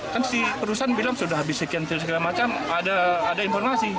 kan si perusahaan bilang sudah habis sekian segala macam ada informasi